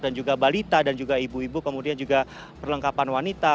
dan juga balita dan juga ibu ibu kemudian juga perlengkapan wanita